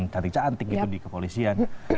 cantik cantik gitu di kepolisian